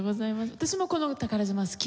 私もこの『宝島』好きで。